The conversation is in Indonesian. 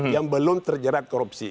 yang belum terjerat korupsi